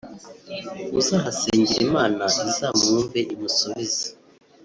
uzahasengera Imana izamwumve imusubize